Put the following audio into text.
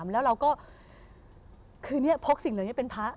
แล้วเราก็คือพกสิ่งเหล่านี้เป็นพระ